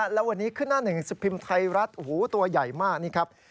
แล้ววันนี้ขึ้นหน้าหนึ่งสิบพิมพ์ไทยรัฐตัวใหญ่มากนี่ครับ